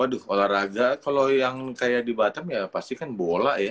di olahraga kalau yang kayak di batam ya pasti kan bola ya